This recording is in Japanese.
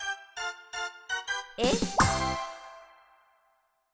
えっ？